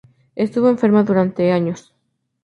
Estuvo enferma durante dos años.